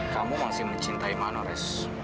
kamu masih mencintai manores